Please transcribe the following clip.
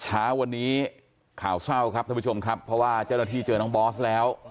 เช้าวันนี้ข่าวเศร้าครับท่านผู้ชมครับเพราะว่าเจ้าหน้าที่เจอน้องบอสแล้ว